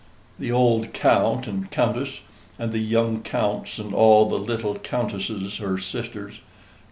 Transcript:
The old count and countess, and the young counts and all the little countesses her sisters.